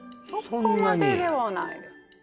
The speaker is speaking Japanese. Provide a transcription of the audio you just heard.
そこまででもないです